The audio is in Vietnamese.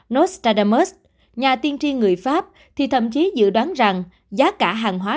nostadamus nhà tiên tri người pháp thì thậm chí dự đoán rằng giá cả hàng hóa